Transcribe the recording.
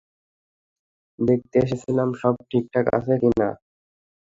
দেখতে এসেছিলাম সব ঠিকঠাক আছে কি না।